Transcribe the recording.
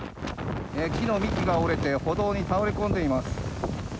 木の幹が折れて歩道に倒れ込んでいます。